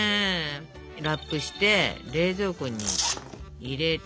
ラップして冷蔵庫に入れて。